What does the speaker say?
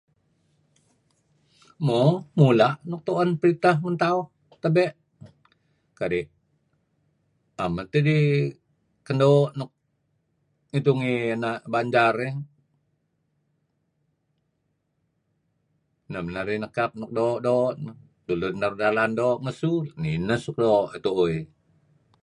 Mo mula' nuk tu'en periteh ngen tauh teney' kadi' 'em meto' idih kendoo' nuk ngih tungey ena' bandar iih. Neh men narih nekap nuk doo'-doo. Tulu ideh naru' dalan negsu, ngineh suk doo' tu'uh-tu'uh iih.